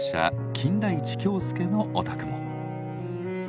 金田一京助のお宅も。